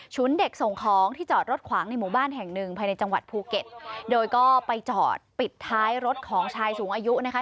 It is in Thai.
เด็กส่งของที่จอดรถขวางในหมู่บ้านแห่งหนึ่งภายในจังหวัดภูเก็ตโดยก็ไปจอดปิดท้ายรถของชายสูงอายุนะคะ